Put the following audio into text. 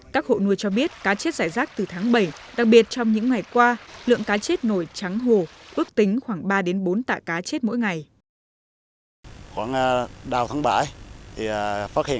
các hộ nuôi cho biết cá chết giải rác từ tháng bảy đặc biệt trong những ngày qua lượng cá chết nổi trắng hồ ước tính khoảng ba bốn tạ cá chết mỗi ngày